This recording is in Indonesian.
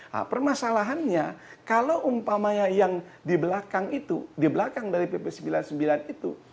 nah permasalahannya kalau umpamanya yang di belakang itu di belakang dari pp sembilan puluh sembilan itu